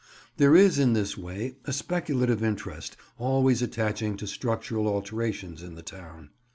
There is in this way a speculative interest always attaching to structural alterations in the town.